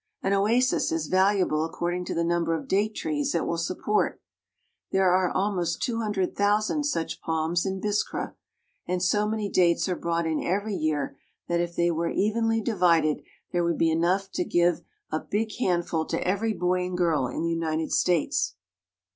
An oasis is valuable according to the number of date trees it will support. There are almost two hundred thousand such palms in Biskra ; and so many dates are brought in every year that if they were evenly divided, there would be enough to give a big handful to every boy and girl in the United States.